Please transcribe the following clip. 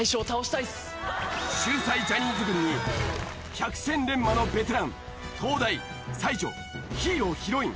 秀才ジャニーズ軍に百戦錬磨のベテラン東大才女ヒーローヒロイン